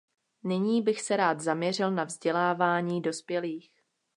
Nyní bych se rád zaměřil na vzdělávání dospělých.